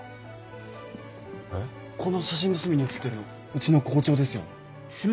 この写真の隅に写ってるのうちの校長ですよね？